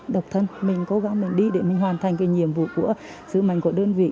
độc thân mình cố gắng mình đi để mình hoàn thành cái nhiệm vụ của sứ mệnh của đơn vị